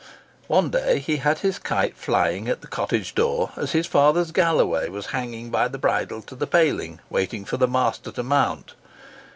One day he had his kite flying at the cottage door as his father's galloway was hanging by the bridle to the paling, waiting for the master to mount.